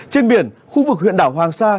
trên biển khu vực huyện đảo hoàng sa